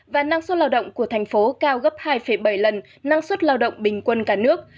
và năng suất lao động của thành phố cao gấp hai bảy lần năng suất lao động bình quân cả nước